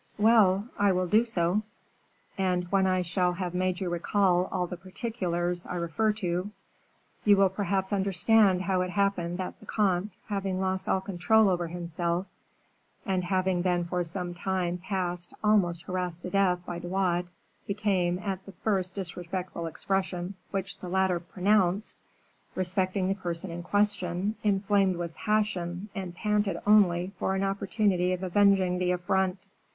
Well! I will do so; and when I shall have made you recall all the particulars I refer to, you will perhaps understand how it happened that the comte, having lost all control over himself, and having been for some time past almost harassed to death by De Wardes, became, at the first disrespectful expression which the latter pronounced respecting the person in question, inflamed with passion, and panted only for an opportunity of avenging the affront."